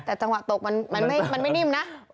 แต่จังหวะตกมันไม่นิ่มนะ